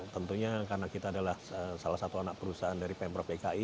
tentunya karena kita adalah salah satu anak perusahaan dari pemprov dki